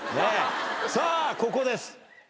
さあここです。